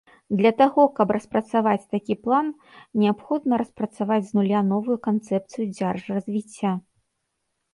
Для таго каб распрацаваць такі план, неабходна распрацаваць з нуля новую канцэпцыю дзяржразвіцця.